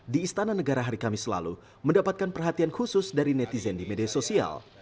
di istana negara hari kamis lalu mendapatkan perhatian khusus dari netizen di media sosial